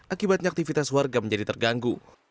akibatnya aktivitas warga menjadi terganggu